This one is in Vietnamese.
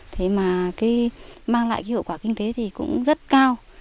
thế mà mang lại hiệu quả kinh tế thì cũng rất cao